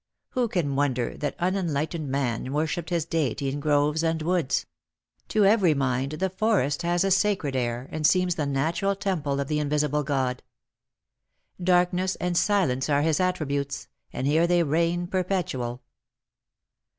Who can wonder that unenlightened man worshipped his deity in groves and woods ? To every mind the forest has a sacred air, and seems the natural temple of the invisible God. Dark ness and silence are his attributes, and here they reign perpetual.